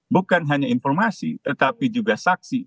bukan hanya informasi tetapi juga saksi